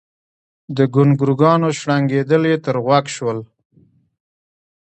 د ګونګرونګانو شړنګېدل يې تر غوږ شول